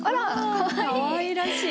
かわいらしい。